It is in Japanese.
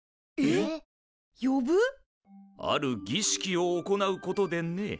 あるぎしきを行うことでね。